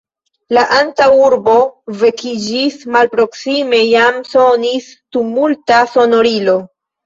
La antaŭurbo vekiĝis; malproksime jam sonis tumulta sonorilo.